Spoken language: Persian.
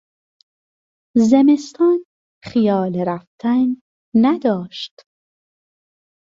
زمستان خیال رفتن نداشت!